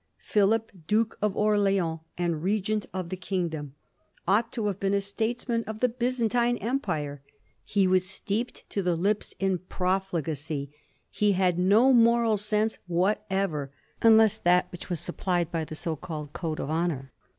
Philip, Duke of Orleans and Begent of the kingdom, ought to have been a statesman of the Byzantine Empire. He was steeped to the lips in profligacy ; he had no moral sense whatever, unless that which was supplied by the so called code of honour.